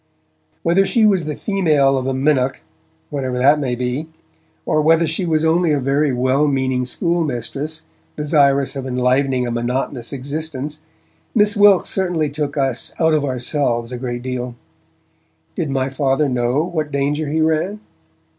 Whether she was the female of a minnock (whatever that may be) or whether she was only a very well meaning schoolmistress desirous of enlivening a monotonous existence, Miss Wilkes certainly took us out of ourselves a good deal. Did my Father know what danger he ran?